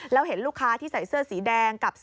แล้วเห็นลูกค้าที่ใส่เสื้อสีแดงกับ